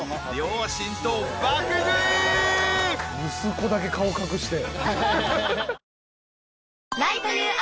息子だけ顔隠して。